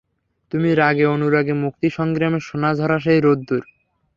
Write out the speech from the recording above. তুমি রাগে অনুরাগে মুক্তি সংগ্রামের সোনা ঝরা সেই রোদ্দুর!